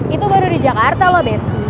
itu baru di jakarta loh besi